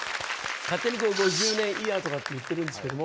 勝手に５０年イヤーとかって言ってるんですけども